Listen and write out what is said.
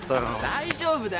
大丈夫だよ。